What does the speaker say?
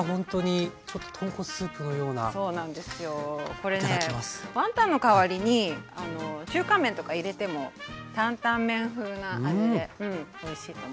これねワンタンの代わりに中華麺とか入れても担担麺風な味でおいしいと思います。